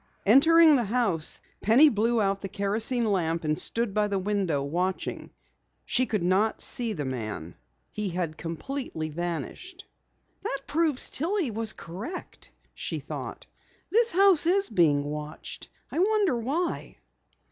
Entering the house, Penny blew out the kerosene lamp and stood by the window, watching. She could not see the man. He had vanished completely. "That proves that Tillie was correct," she thought. "This house is being watched. I wonder why."